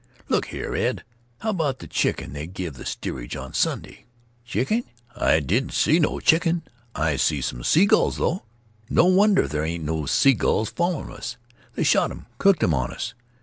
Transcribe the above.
"Look here, Ed, how about the chicken they give the steerage on Sunday?" "Chicken? I didn't see no chicken. I see some sea gull, though. No wonder they ain't no more sea gulls following us. They shot 'em and cooked 'em on us."